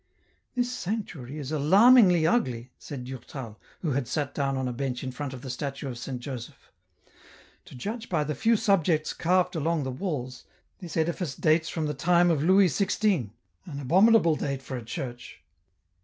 " This sanctuary is alarmingly ugly," said Durtal, who had sat down on a bench in front of the statue of Saint Joseph. " To judge by the few subjects carved along the walls, this edifice dates from the time of Louis XVI., an abominable date for a church."